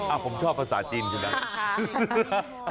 อ้าวผมชอบภาษาจีนใช่มั้ย